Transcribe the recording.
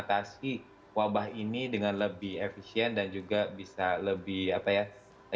mengatasi wabah ini dengan lebih efisien dan juga bisa lebih apa ya